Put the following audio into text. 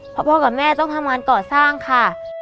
เพราะพ่อกับแม่ต้องทำงานก่อสร้างค่ะ